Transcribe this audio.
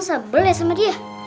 sebel ya sama dia